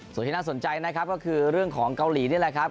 ส่วนที่น่าสนใจนะครับก็คือเรื่องของเกาหลีนี่แหละครับ